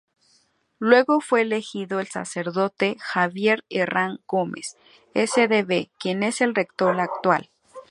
Luego fue elegido el sacerdote Javier Herrán Gómez, sdb, quien es el rector actual.